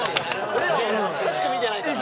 俺らも久しく見てないから。